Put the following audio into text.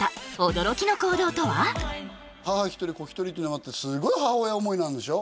母一人子一人っていうのがあってすごい母親思いなんでしょ？